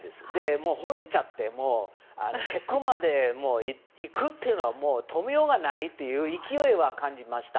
もう惚れちゃって結婚までいくというのは止めようがない勢いは感じました。